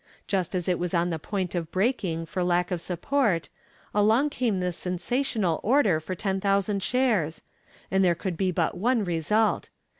Just as it was on the point of breaking for lack of support along came this sensational order for ten thousand shares; and there could be but one result.